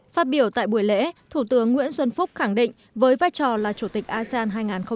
phát biểu tại buổi lễ thủ tướng nguyễn xuân phúc khẳng định với vai trò là chủ tịch asean hai nghìn hai mươi